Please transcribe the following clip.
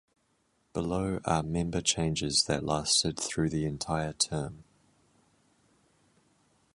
Below are member changes that lasted through the entire term.